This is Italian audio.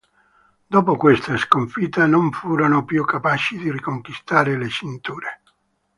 Dopo questa sconfitta, non furono più capaci di riconquistare le cinture.